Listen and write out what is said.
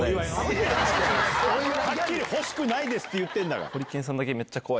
はっきり「欲しくないです」って言ってんだから。